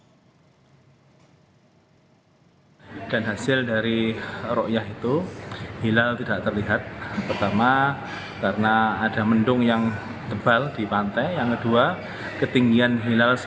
pemantauan di pantai lampu satu ini melibatkan tim dari bmkg jayapura dengan menggunakan tiga teleskop pemantauan hilal